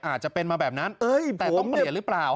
อาจจะเป็นมาแบบนั้นแต่ต้องเปลี่ยนหรือเปล่า